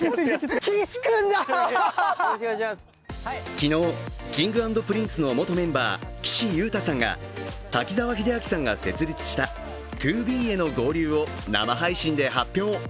昨日、Ｋｉｎｇ＆Ｐｒｉｎｃｅの元メンバー岸優太さんが滝沢秀明さんが設立したＴＯＢＥへの合流を生配信で発表。